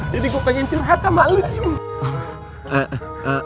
jadi gue pengen curhat sama lo jimmy